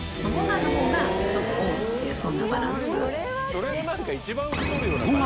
それが何か１番太るような。